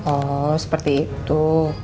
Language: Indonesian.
oh seperti itu